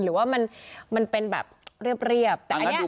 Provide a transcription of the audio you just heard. หรือว่ามันเป็นแบบเรียบ